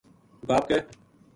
باپ ک